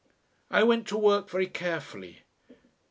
I went to work very carefully.